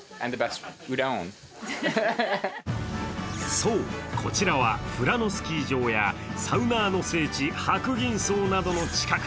そう、こちらは富良野スキー場やサウナーの聖地、白銀荘などの近く。